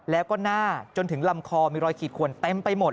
แล้วก็หน้าจนถึงลำคอมีรอยขีดขวนเต็มไปหมด